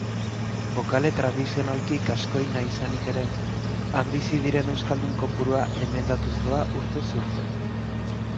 Bokale tradizionalki gaskoina izanik ere, han bizi diren euskaldun kopurua emendatuz doa urtez urte.